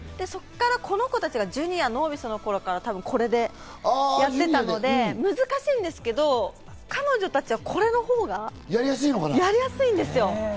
そこからこの子たちがジュニアやノービスの頃からこれでやっていたので難しいんですけど、彼女たちはこれのほうがやりやすいんですよ。